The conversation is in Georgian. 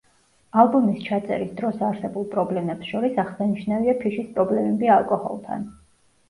ალბომის ჩაწერის დროს არსებულ პრობლემებს შორის აღსანიშნავია ფიშის პრობლემები ალკოჰოლთან.